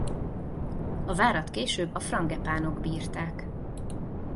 A várat később a Frangepánok bírták.